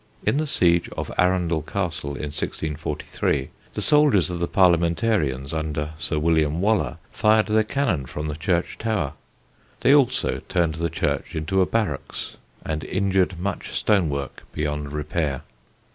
In the siege of Arundel Castle in 1643, the soldiers of the parliamentarians, under Sir William Waller, fired their cannon from the church tower. They also turned the church into a barracks, and injured much stone work beyond repair.